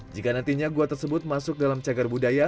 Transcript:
jika nantinya gua tersebut masuk dalam cagar budaya